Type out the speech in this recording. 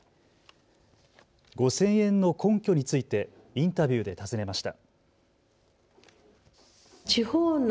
５０００円の根拠についてインタビューで尋ねました。